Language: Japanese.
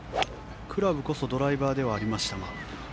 クラブこそドライバーではありましたが。